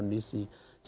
dan situasi dan kondisi